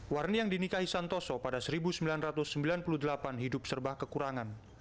warni yang dinikahi santoso pada seribu sembilan ratus sembilan puluh delapan hidup serba kekurangan